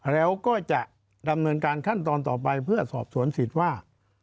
แล้วก็จะดำเนินการขั้นตอนต่อไปเพื่อสอบสวนสิทธิ์ว่า